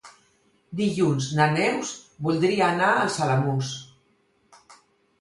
Dilluns na Neus voldria anar als Alamús.